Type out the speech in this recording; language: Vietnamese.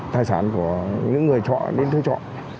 tài sản của những người trọ đến thuê trọ